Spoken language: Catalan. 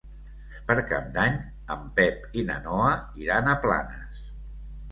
Per Cap d'Any en Pep i na Noa iran a Planes.